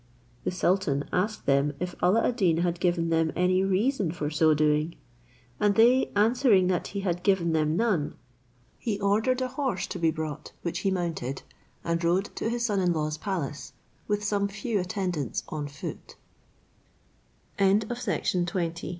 The sultan asked them if Alla ad Deen had given them any reason for so doing, and they answering that he had given them none, he ordered a horse to be brought, which he mounted, and rode to his son in law's palace, with some few attendants on